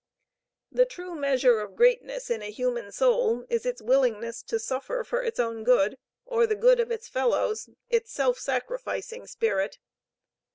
The true measure of greatness in a human soul, is its willingness to suffer for its own good, or the good of its fellows, its self sacrificing spirit.